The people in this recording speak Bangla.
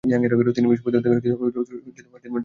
তিনি বিশ্ববিদ্যালয় থেকে ডি.এসসি ডিগ্রি লাভ করেন।